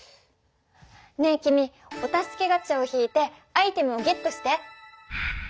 ねえ君お助けガチャを引いてアイテムをゲットして！